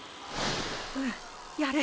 うんやる。